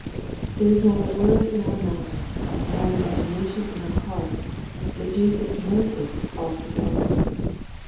There is not a word in our mouths, nor an imagination in our hearts, but Jesus knows it altogether.